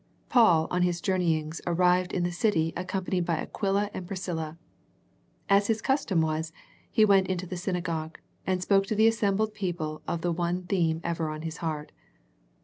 Paul on his journey ings arrived in the city accom panied by Aquila and Priscilla. As his cus tom was, he went into the synagogue, and spoke to the assembled people of the one theme ever on his heart.